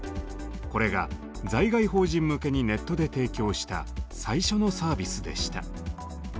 これが在外邦人向けにネットで提供した最初のサービスでした。